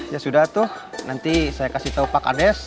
ya sudah nanti saya kasih tahu pak ades